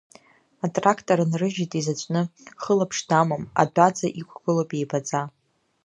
Атрақтор нрыжьит изаҵәны, хылаԥш дамам, адәаӡа иқәгылоуп еибаӡа…